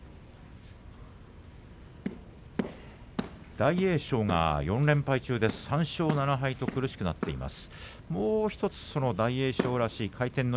大栄翔が３勝７敗と苦しくなっています。